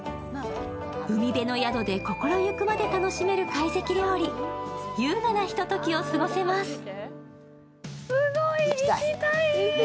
海辺の宿で心ゆくまで楽しめる会席料理、優雅なひとときを過ごせます。